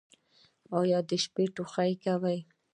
ایا د شپې ټوخی کوئ؟